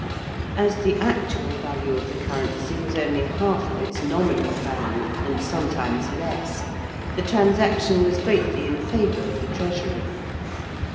As the actual value of the currency was only half of its nominal value (and sometimes less), the transaction was greatly in favour of the treasury.